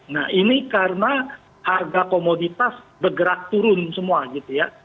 nah ini karena harga komoditas bergerak turun semua gitu ya